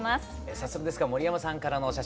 早速ですが森山さんからのお写真